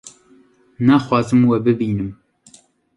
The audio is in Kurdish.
naxwazim we bibînim